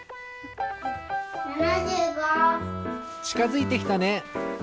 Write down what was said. ちかづいてきたね！